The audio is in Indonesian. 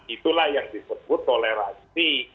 itulah yang disebut toleransi